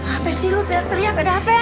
apa sih lu teriak teriak ada apa ya